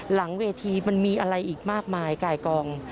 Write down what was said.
หลังเวทีมันมีอะไรอีกมากมายไก่กอง